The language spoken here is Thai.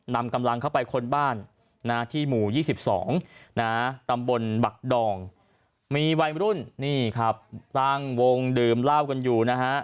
นำกำลังเข้าไปค้นบ้านที่หมู่๒๒ตำบลบักดองมีวัยรุ่นนี่ครับตั้งวงดื่มเหล้ากันอยู่นะฮะ